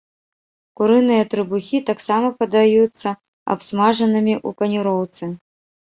Курыныя трыбухі таксама падаюцца абсмажанымі ў паніроўцы.